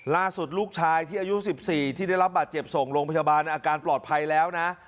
ลูกชายที่อายุ๑๔ที่ได้รับบาดเจ็บส่งโรงพยาบาลอาการปลอดภัยแล้วนะ